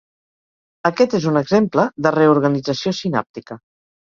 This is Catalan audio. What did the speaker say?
Aquest és un exemple de "reorganització sinàptica".